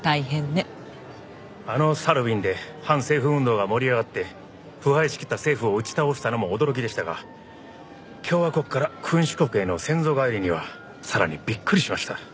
あのサルウィンで反政府運動が盛り上がって腐敗しきった政府を打ち倒したのも驚きでしたが共和国から君主国への先祖返りにはさらにびっくりしました。